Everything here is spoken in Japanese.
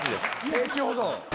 永久保存。